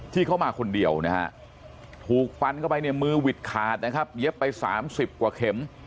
ที่เข้ามาคนเดียวถูกฟันเข้าไปมือวิดขาดเย็บไป๓๐กว่าเข็ม